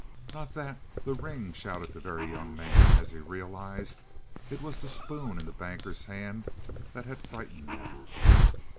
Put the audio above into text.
"Not that the ring!" shouted the Very Young Man, as he realized it was the spoon in the Banker's hand that had frightened them.